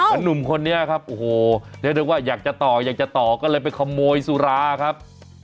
แล้วหนุ่มคนนี้ครับโอ้โหเรียกได้ว่าอยากจะต่ออยากจะต่อก็เลยไปขโมยสุราครับ